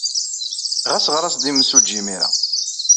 Ɣas ɣer-as-d i yemsujji imir-a.